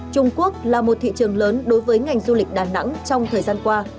trung quốc là một thị trường lớn đối với ngành du lịch đà nẵng trong thời gian qua